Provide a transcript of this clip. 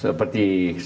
seperti selama ini